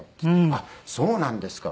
「あっそうなんですか。